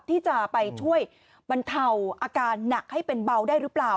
ที่จะไปช่วยบรรเทาอาการหนักให้เป็นเบาได้หรือเปล่า